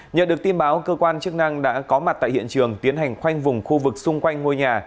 nhận được tin báo cơ quan chức năng đã có mặt tại hiện trường tiến hành khoanh vùng khu vực xung quanh ngôi nhà